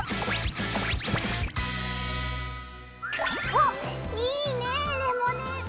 おっいいねレモネード。